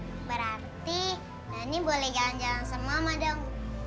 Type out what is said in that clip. noni boleh jalan jalan sama mama dong